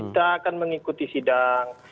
bagaimana mengikuti sidang